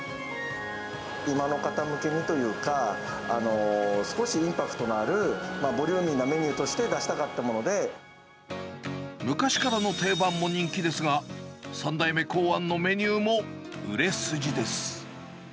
今の方向けにというか、少しインパクトのあるボリューミーなメニューとして出したかった昔からの定番も人気ですが、３代目考案のメニューも売れ筋です。